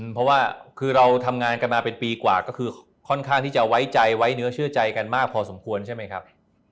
เพราะว่าคือเราทำงานกันมาเป็นปีกว่าก็คือค่อนข้างที่จะไว้ใจไว้เนื้อเชื่อใจกันมากพอสมควรใช่ไหมครับ